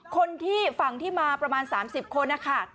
คนที่ฝั่งที่มาประมาณ๓๐คนนะคะ